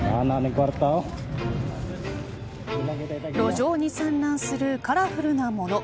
路上に散乱するカラフルなもの。